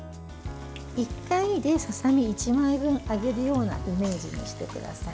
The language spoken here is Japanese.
１回でささ身１枚分揚げるようなイメージにしてください。